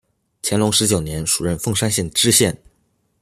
乾隆十九年署任凤山县知县。